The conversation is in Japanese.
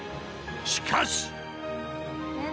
［しかし！］